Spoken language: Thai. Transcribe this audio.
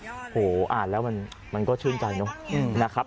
โอ้โหอ่านแล้วมันก็ชื่นใจเนอะนะครับ